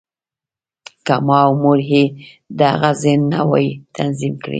که ما او مور یې د هغه ذهن نه وای تنظیم کړی